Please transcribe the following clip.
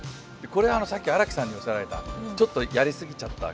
これさっき荒木さんがおっしゃられたちょっとやりすぎちゃったこの黒いね。